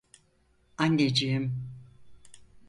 Anneciğim!